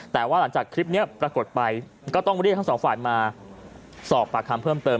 แต่ว่าหลังจากคลิปนี้ปรากฏไปก็ต้องเรียกทั้งสองฝ่ายมาสอบปากคำเพิ่มเติม